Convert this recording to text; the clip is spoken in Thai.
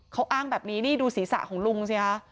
เขาอ้างแบบนี้นี่ดูศีรษะของลุงสิคะ